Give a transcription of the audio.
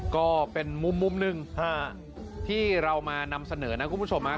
ก็เป็นมุมหนึ่งที่เรามานำเสนอนะคุณผู้ชม